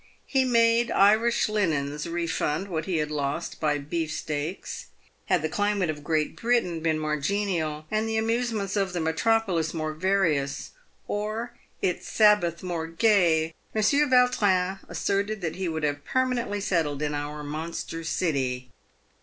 He made Irish linens refund what he had lost by beef steaks. Had the climate of Great Britain been more genial, and the amusements of the metropolis more various, or its Sabbath more gay, Monsieur Vautrin asserted that he would have permanently settled in our monster city.